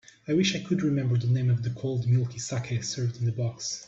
I wish I could remember the name of the cold milky saké served in a box.